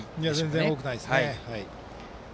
全然、多くはないですね。